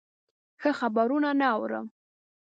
ښه خبرونه نه اورم.